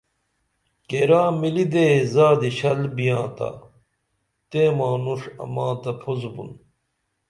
کیرا مِلی دے زادی شل بیاں تا تیں مانُݜ اما تہ پُھس بُن